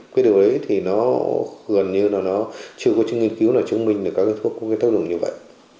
cái điều đấy thì nó gần như là nó chưa có chứng nghiên cứu nào chứng minh được các thuốc có cái tốc độ như vậy